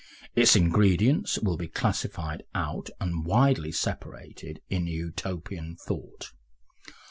Its ingredients will be classified out and widely separated in Utopian thought.